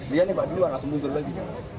dia nebak dulu langsung mundur lagi